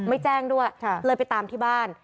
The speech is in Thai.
ไม่แจ้งด้วยเลยไปตามที่บ้าน